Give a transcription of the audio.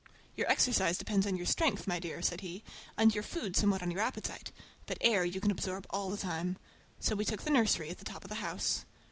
"Your exercise depends on your strength, my dear," said he, "and your food somewhat on your appetite; but air you can absorb all the time." So we took the nursery, at the top of the house.